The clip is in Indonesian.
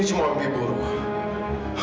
ini cuma mimpi buruk